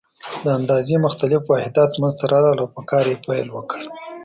د اندازې مختلف واحدات منځته راغلل او په کار یې پیل وکړ.